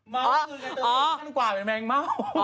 เม่าคือการเติมขึ้นขั้นกว่าเป็นแมงเม่า